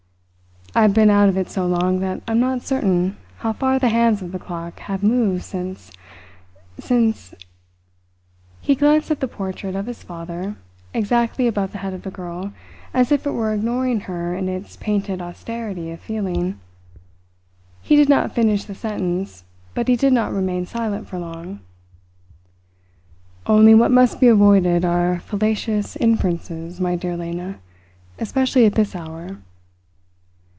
I have been out of it so long that I am not certain how far the hands of the clock have moved since since " He glanced at the portrait of his father, exactly above the head of the girl, as if it were ignoring her in its painted austerity of feeling. He did not finish the sentence; but he did not remain silent for long. "Only what must be avoided are fallacious inferences, my dear Lena especially at this hour."